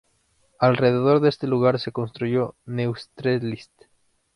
Alrededor de este lugar se construyó Neustrelitz.